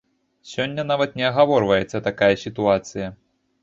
Сёння нават не агаворваецца такая сітуацыя.